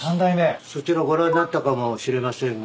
そちらご覧になったかもしれませんが。